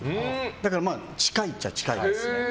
だから、近いっちゃ近いです。